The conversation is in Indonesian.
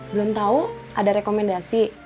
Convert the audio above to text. belum tahu ada rekomendasi